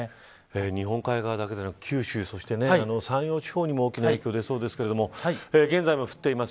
日本海側だけなく九州そして山陽地方にも大きな影響が出そうですが現在も降っております